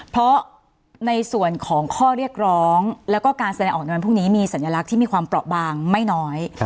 เพราะในส่วนของข้อเรียกร้องแล้วก็การแสดงออกในวันพรุ่งนี้มีสัญลักษณ์ที่มีความเปราะบางไม่น้อย